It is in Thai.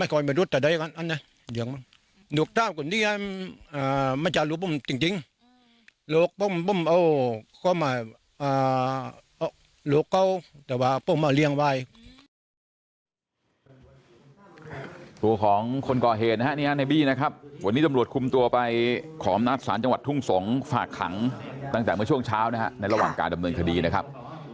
คุณผู้ชมเรามาตามกันต่อหน่อยนะครับ